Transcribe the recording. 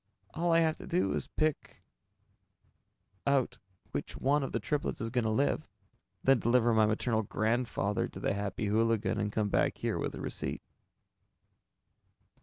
"All I have to do is pick out which one of the triplets is going to live, then deliver my maternal grandfather to the Happy Hooligan, and come back here with a receipt."